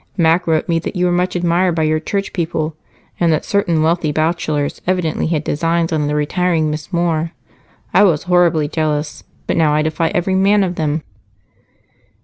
"Mac wrote me that you were much admired by your church people, and that certain wealthy bachelors evidently had designs on the retiring Miss Moore. I was horribly jealous, but now I defy every man of them."